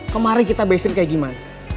kemarin kita basic kayak gimana